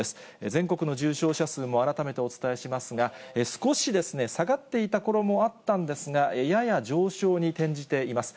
全国の重症者数も、改めてお伝えしますが、少し下がっていたころもあったんですが、やや上昇に転じています。